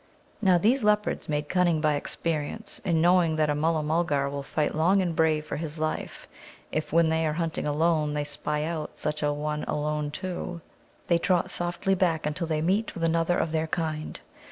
Now, these leopards, made cunning by experience, and knowing that a Mulla mulgar will fight long and bravely for his life, if, when they are hunting alone, they spy out such a one alone, too, they trot softly back until they meet with another of their kind.